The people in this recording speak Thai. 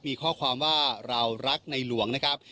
มีข้อความว่าเรารักในหลวงนะครับ